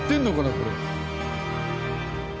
これ。